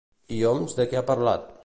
I Homs, de què ha parlat?